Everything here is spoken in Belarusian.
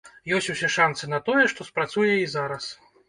Ёсць усе шанцы на тое, што спрацуе і зараз.